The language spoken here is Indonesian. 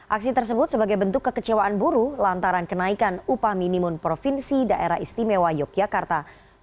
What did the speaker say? aksi tersebut sebagai bentuk kekecewaan buruh lantaran kenaikan upah minimum provinsi daerah istimewa yogyakarta